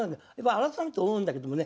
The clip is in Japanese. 改めて思うんだけどもね